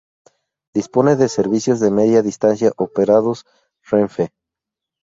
Dispone de servicios de media distancia operados Renfe.